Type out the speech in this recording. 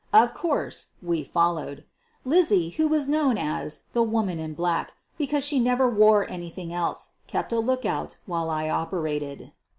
Of course, we followed. Lizzie, who was known as "The Woman in Black," jecause she never wore anything else, kept a lookout while I operated.